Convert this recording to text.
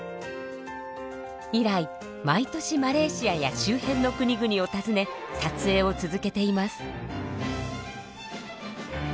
以来毎年マレーシアや周辺の国々を訪ね撮影を続けています。